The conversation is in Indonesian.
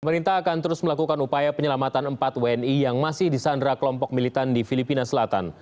pemerintah akan terus melakukan upaya penyelamatan empat wni yang masih disandra kelompok militan di filipina selatan